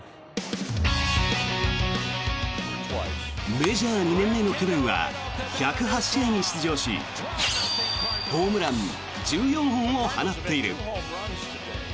メジャー２年目の去年は１０８試合に出場しホームラン１４本を放っている。